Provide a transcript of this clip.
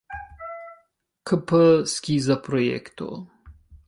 Kp skiza projekto.